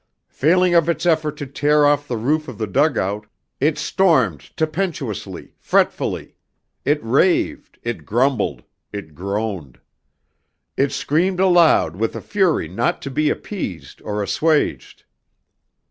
Failing of its effort to tear off the roof of the dugout, it stormed tempestuously, fretfully; it raved, it grumbled, it groaned. It screamed aloud with a fury not to be appeased or assuaged.